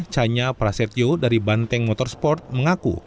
canya prasetyo dari banteng motorsport mengaku